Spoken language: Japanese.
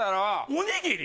「おにぎり」？